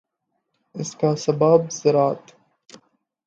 اس کا سبب ذرات